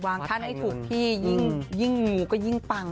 ท่านให้ถูกที่ยิ่งงูก็ยิ่งปัง